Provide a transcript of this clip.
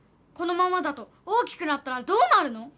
このままだと大きくなったらどうなるの？